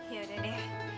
ya udah deh